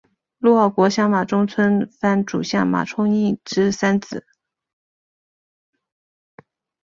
陆奥国相马中村藩主相马充胤之三子。